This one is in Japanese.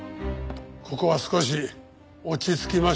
ここは少し落ち着きましょう。